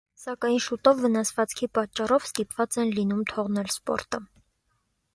Սակայն շուտով վնասվածքի պատճառով ստիպված են լինում թողնել սպորտը։